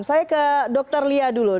saya ke dr lia dulu